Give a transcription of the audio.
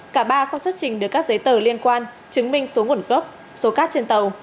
cả ba không xuất trình được các giấy tờ liên quan chứng minh số nguồn gốc số cát trên tàu